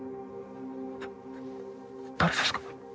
誰ですか？